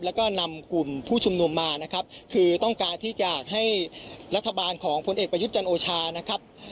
แล้วก็นำกลุ่มผู้ชุมนุมมานะครับคือต้องการที่อยากให้รัฐบาลของผลเอกประยุทธ์จันทร์โอชานะครับ